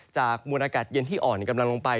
มวลอากาศเย็นที่อ่อนกำลังลงไป